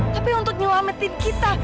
tapi untuk nyelamatin kita